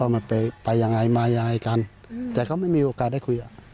มันไปยังไงมายังไงกันแต่ก็ไม่มีโอกาสได้คุยอ่ะ